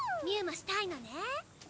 ミューもしたいのね。